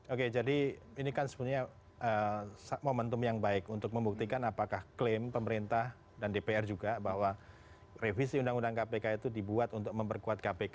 oke jadi ini kan sebenarnya momentum yang baik untuk membuktikan apakah klaim pemerintah dan dpr juga bahwa revisi undang undang kpk itu dibuat untuk memperkuat kpk